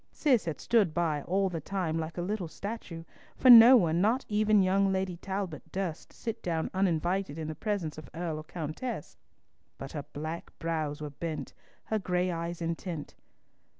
Cis had stood by all the time like a little statue, for no one, not even young Lady Talbot, durst sit down uninvited in the presence of Earl or Countess; but her black brows were bent, her gray eyes intent.